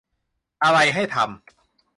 อะไรให้ทำ